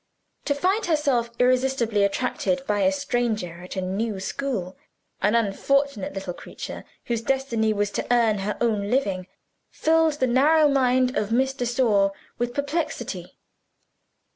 To find herself irresistibly attracted by a stranger at a new school an unfortunate little creature, whose destiny was to earn her own living filled the narrow mind of Miss de Sor with perplexity.